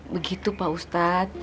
begitu pak ustad